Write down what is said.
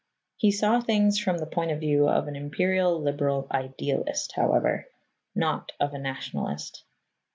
He saw things from the point of view of an Imperial Liberal idealist, however, not of a Nationalist.